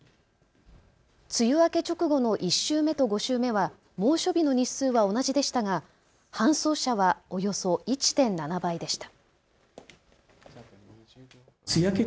梅雨明け直後の１週目と５週目は猛暑日の日数は同じでしたが搬送者はおよそ１．７倍でした。